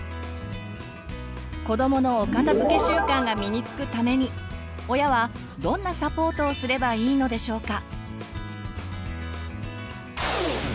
子どものお片づけ習慣が身につくために親はどんなサポートをすればいいのでしょうか。